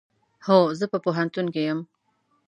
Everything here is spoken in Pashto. هو، زه په پوهنتون کې یم